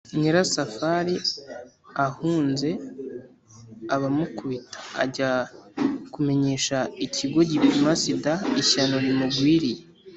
nyirasafari ahunze abamukubita ajya ku- menyesha ikigo gipima sida, ishyano rimugwiriye.